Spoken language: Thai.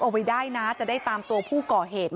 เอาไว้ได้นะจะได้ตามตัวผู้ก่อเหตุ